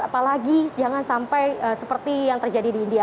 apalagi jangan sampai seperti yang terjadi di india